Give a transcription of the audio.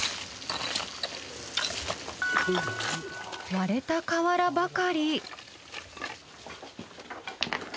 割れた瓦ばかり。